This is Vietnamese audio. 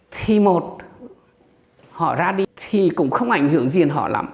thì một họ ra đi thì cũng không ảnh hưởng gì họ lắm